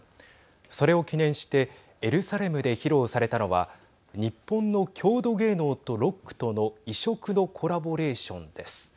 それを記念してエルサレムで披露されたのは日本の郷土芸能とロックとの異色のコラボレーションです。